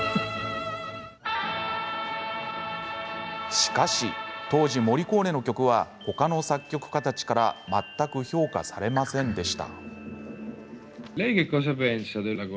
しかし、当時モリコーネの曲は他の作曲家たちから全く評価されませんでした。